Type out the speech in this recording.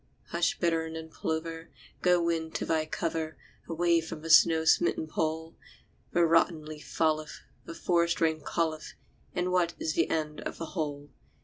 Hush, bittern and plover! Go, wind, to thy cover Away by the snow smitten Pole! The rotten leaf falleth, the forest rain calleth; And what is the end of the whole?